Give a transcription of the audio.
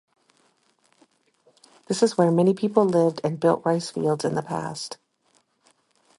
This is where many people lived and built rice fields in the past.